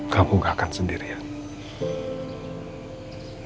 kamu gak akan sendirian